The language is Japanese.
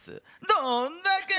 どんだけ！